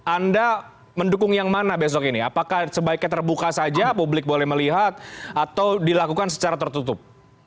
anda mendukung yang mana besok ini apakah sebaiknya terbuka saja publik boleh melihat atau dilakukan secara tertutup